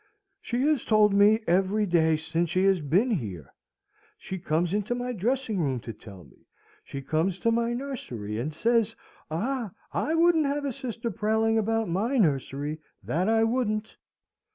"She has told me every day since she has been here. She comes into my dressing room to tell me. She comes to my nursery, and says, 'Ah, I wouldn't have a sister prowling about my nursery, that I wouldn't.'